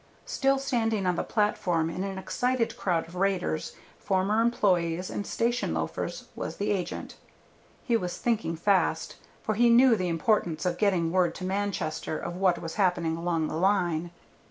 Still standing on the platform in an excited crowd of raiders, former employees, and station loafers, was the agent. He was thinking fast, for he saw the importance of getting word to Manchester of what was happening along the line.